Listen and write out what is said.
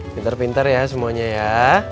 pintar pintar ya semuanya ya